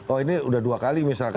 oh ini udah dua kali misalkan